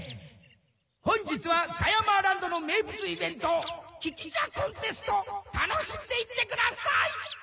本日はサヤマーランドの名物イベントきき茶コンテスト楽しんでいってください！